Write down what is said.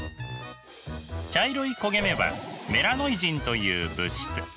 茶色い焦げ目はメラノイジンという物質。